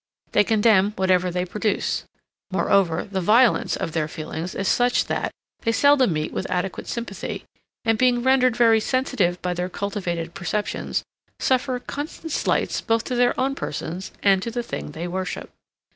They condemn whatever they produce. Moreover, the violence of their feelings is such that they seldom meet with adequate sympathy, and being rendered very sensitive by their cultivated perceptions, suffer constant slights both to their own persons and to the thing they worship.